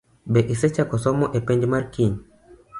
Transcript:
Be isechako somo ne penj ma Kiny?